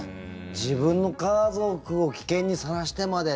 自分の家族を危険にさらしてまで。